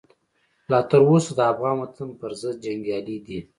لا تر اوسه د افغان وطن پرضد جنګیالي دي.